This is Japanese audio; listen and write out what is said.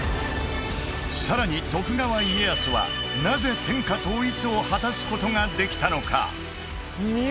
さらに徳川家康はなぜ天下統一を果たすことができたのか？